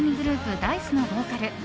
Ｄａ‐ｉＣＥのボーカル